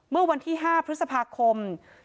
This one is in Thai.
เมื่อวันที่๕พฤษภาคม